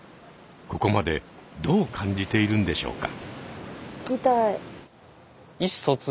ここまでどう感じているんでしょうか？